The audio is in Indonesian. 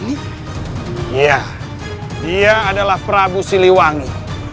iya dia adalah prabu siliwangi